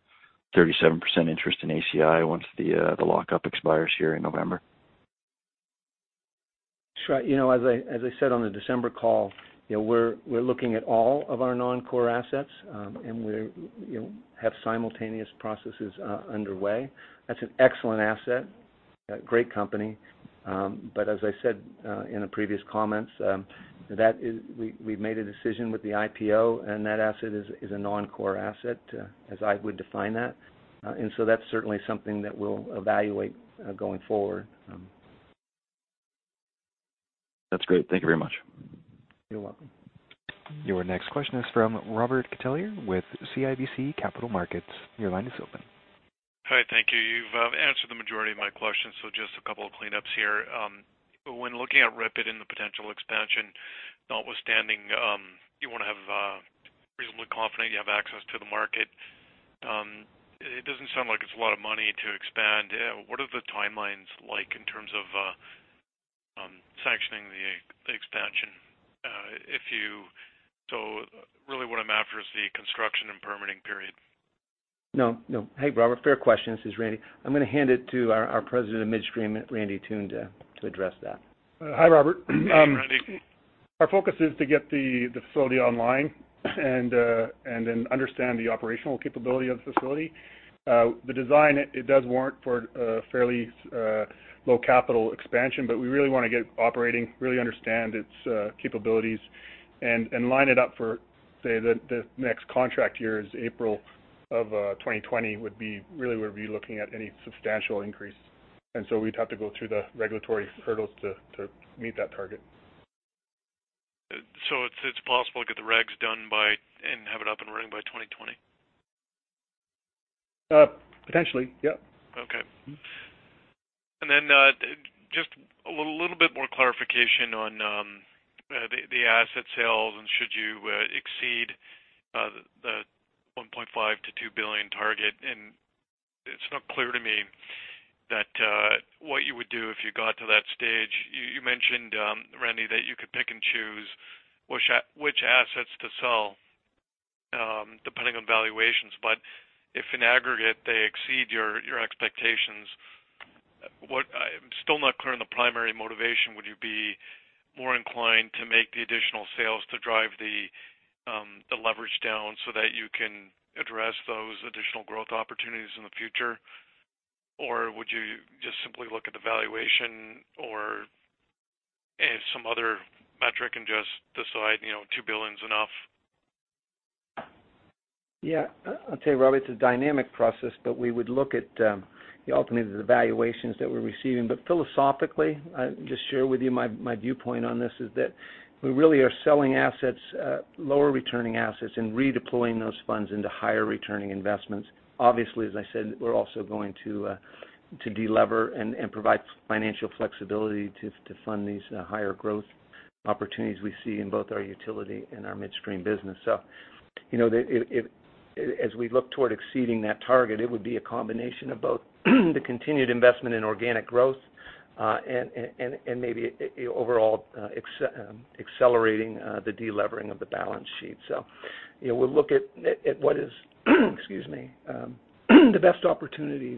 37% interest in ACI once the lockup expires here in November. Sure. As I said on the December call, we're looking at all of our non-core assets. We have simultaneous processes underway. That's an excellent asset, great company. As I said in the previous comments, we've made a decision with the IPO, that asset is a non-core asset, as I would define that. That's certainly something that we'll evaluate going forward. That's great. Thank you very much. You're welcome. Your next question is from Robert Catellier with CIBC Capital Markets. Your line is open. Hi, thank you. You've answered the majority of my questions, just a couple of cleanups here. When looking at RIPET and the potential expansion, notwithstanding, you want to have reasonably confident you have access to the market. It doesn't sound like it's a lot of money to expand. What are the timelines like in terms of sanctioning the expansion? Really what I'm after is the construction and permitting period. No, no. Hey, Robert. Fair question. This is Randy. I'm going to hand it to our President of Midstream, Randy Toone, to address that. Hi, Robert. Hey, Randy. Our focus is to get the facility online and then understand the operational capability of the facility. The design, it does warrant for a fairly low capital expansion, but we really want to get operating, really understand its capabilities, and line it up for, say, the next contract here is April of 2020, really where we'd be looking at any substantial increase. We'd have to go through the regulatory hurdles to meet that target. It's possible to get the regs done and have it up and running by 2020? Potentially, yep. Okay. Just a little bit more clarification on the asset sales should you exceed the 1.5 billion-2 billion target. It's not clear to me what you would do if you got to that stage. You mentioned, Randy, that you could pick and choose which assets to sell, depending on valuations. But if in aggregate they exceed your expectations, I'm still not clear on the primary motivation. Would you be more inclined to make the additional sales to drive the leverage down so that you can address those additional growth opportunities in the future? Would you just simply look at the valuation or some other metric and just decide 2 billion is enough? Yeah. I'll tell you, Robert, it's a dynamic process, we would look at ultimately the valuations that we're receiving. Philosophically, I'll just share with you my viewpoint on this is that we really are selling lower returning assets and redeploying those funds into higher returning investments. Obviously, as I said, we're also going to de-lever and provide financial flexibility to fund these higher growth opportunities we see in both our utility and our midstream business. As we look toward exceeding that target, it would be a combination of both the continued investment in organic growth, and maybe overall accelerating the de-levering of the balance sheet. We'll look at what is excuse me, the best opportunity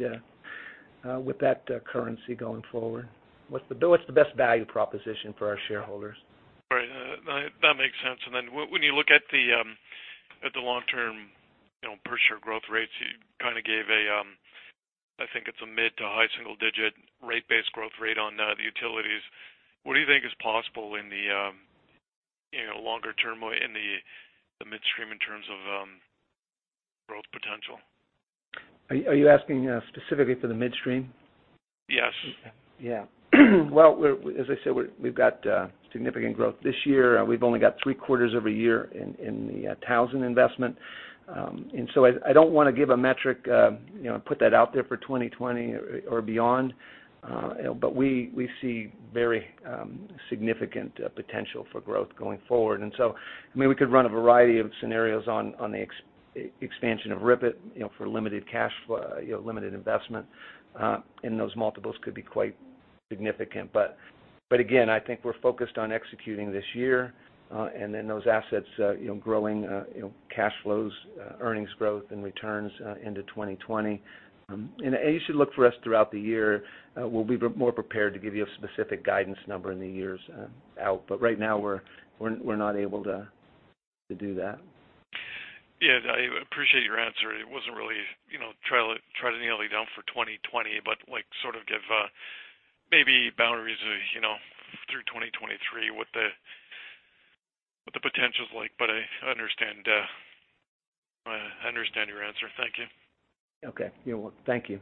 with that currency going forward. What's the best value proposition for our shareholders? Right. That makes sense. When you look at the long-term per share growth rates, you kind of gave a, I think it's a mid to high single-digit rate base growth rate on the utilities. What do you think is possible in the longer term, in the midstream in terms of growth potential? Are you asking specifically for the midstream? Yes. As I said, we've got significant growth this year. We've only got three quarters of a year in the Townsend investment. I don't want to give a metric, put that out there for 2020 or beyond. We see very significant potential for growth going forward. We could run a variety of scenarios on the expansion of RIPET for limited investment. Those multiples could be quite significant. Again, I think we're focused on executing this year, and then those assets growing cash flows, earnings growth, and returns into 2020. As you look for us throughout the year, we'll be more prepared to give you a specific guidance number in the years out. Right now we're not able to do that. I appreciate your answer. It wasn't really trying to nail you down for 2020, but sort of give maybe boundaries through 2023 what the potential's like. I understand your answer. Thank you. You're welcome. Thank you.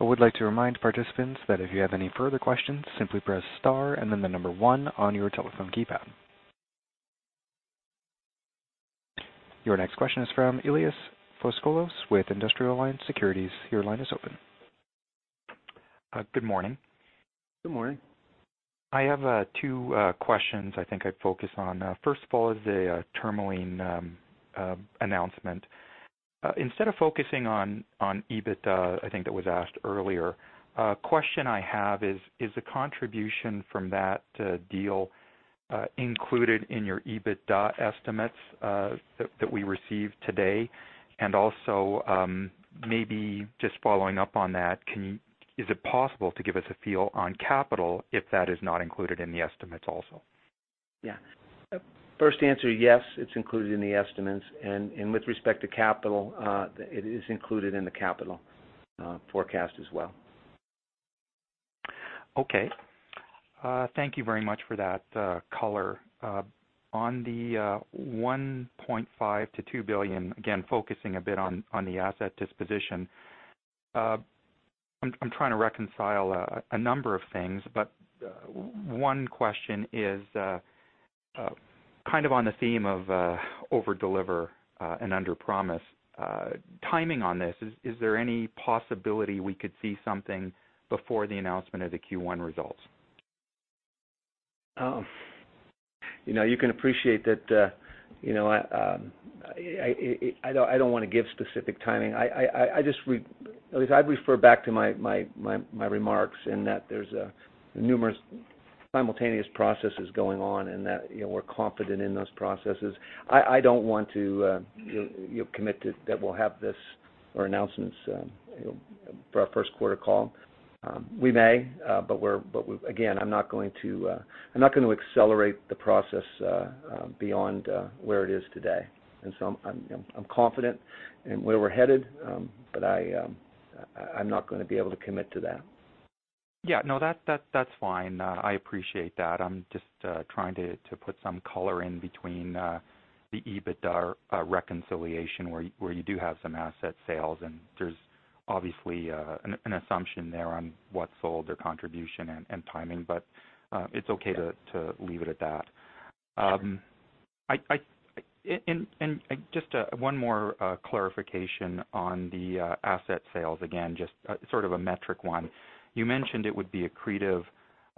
I would like to remind participants that if you have any further questions, simply press star and then the number 1 on your telephone keypad. Your next question is from Elias Foscolos with Industrial Alliance Securities. Your line is open. Good morning. Good morning. I have two questions I think I'd focus on. First of all is the Tourmaline announcement. Instead of focusing on EBITDA, I think that was asked earlier. A question I have is the contribution from that deal included in your EBITDA estimates that we received today? Also, maybe just following up on that, is it possible to give us a feel on capital if that is not included in the estimates also? Yeah. First answer, yes, it's included in the estimates, and with respect to capital, it is included in the capital forecast as well. Okay. Thank you very much for that color. On the 1.5 billion-2 billion, again, focusing a bit on the asset disposition. I'm trying to reconcile a number of things, but one question is kind of on the theme of over-deliver and underpromise. Timing on this, is there any possibility we could see something before the announcement of the Q1 results? You can appreciate that I don't want to give specific timing. I'd refer back to my remarks in that there's numerous simultaneous processes going on, and that we're confident in those processes. I don't want to commit that we'll have this or announcements for our first quarter call. We may, again, I'm not going to accelerate the process beyond where it is today. I'm confident in where we're headed. I'm not going to be able to commit to that. Yeah. No, that's fine. I appreciate that. I'm just trying to put some color in between the EBITDA reconciliation where you do have some asset sales, and there's obviously an assumption there on what sold or contribution and timing. It's okay to leave it at that. Sure. Just one more clarification on the asset sales. Again, just sort of a metric one. You mentioned it would be accretive.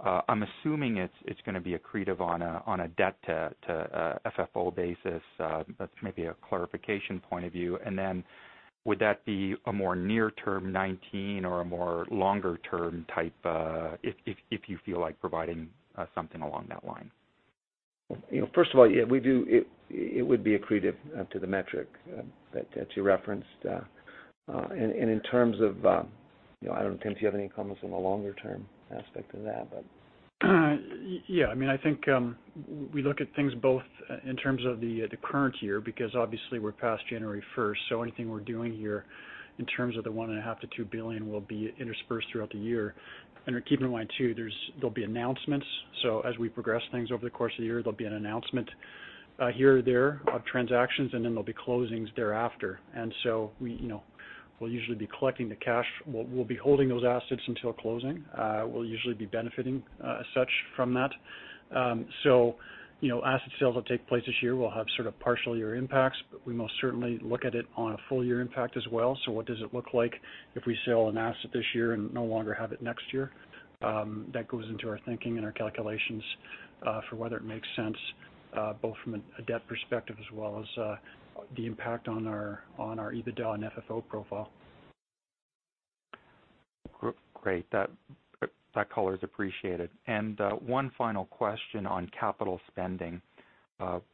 I'm assuming it's going to be accretive on a debt to FFO basis. That's maybe a clarification point of view. Would that be a more near term 2019 or a more longer-term type, if you feel like providing something along that line? First of all, it would be accretive to the metric that you referenced. In terms of I don't know, Tim, do you have any comments on the longer-term aspect of that? Yeah. I think we look at things both in terms of the current year, because obviously we're past January 1st, so anything we're doing here in terms of the 1.5 billion-2 billion will be interspersed throughout the year. Keep in mind too, there'll be announcements. As we progress things over the course of the year, there'll be an announcement here or there of transactions, and then there'll be closings thereafter. We'll usually be collecting the cash. We'll be holding those assets until closing. We'll usually be benefiting as such from that. Asset sales that take place this year will have sort of partial year impacts, but we most certainly look at it on a full-year impact as well. What does it look like if we sell an asset this year and no longer have it next year? That goes into our thinking and our calculations, for whether it makes sense, both from a debt perspective as well as, the impact on our EBITDA and FFO profile. Great. That color is appreciated. One final question on capital spending.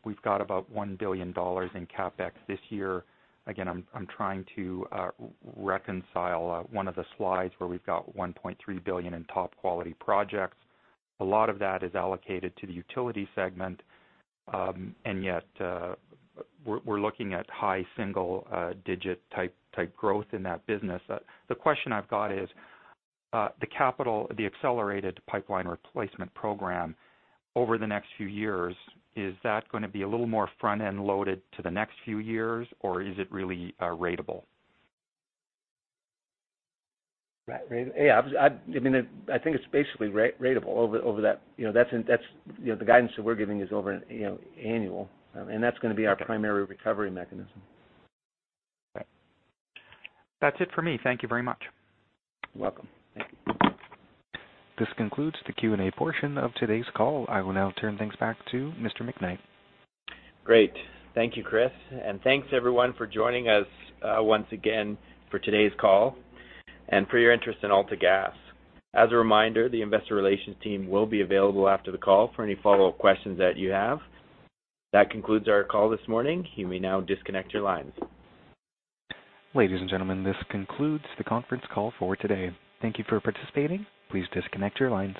We've got about 1 billion dollars in CapEx this year. Again, I'm trying to reconcile one of the slides where we've got 1.3 billion in top-quality projects. A lot of that is allocated to the utility segment, and yet, we're looking at high single-digit type growth in that business. The question I've got is, the capital, the accelerated pipeline replacement program over the next few years, is that going to be a little more front-end loaded to the next few years, or is it really ratable? Right. I think it's basically ratable over that. The guidance that we're giving is over annual, that's going to be our primary recovery mechanism. Okay. That's it for me. Thank you very much. You're welcome. Thank you. This concludes the Q&A portion of today's call. I will now turn things back to Mr. McKnight. Great. Thank you, Chris. Thanks, everyone, for joining us, once again for today's call and for your interest in AltaGas. As a reminder, the investor relations team will be available after the call for any follow-up questions that you have. That concludes our call this morning. You may now disconnect your lines. Ladies and gentlemen, this concludes the conference call for today. Thank you for participating. Please disconnect your lines.